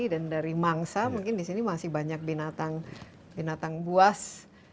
dan dari mangsa mungkin di sini masih banyak binatang buas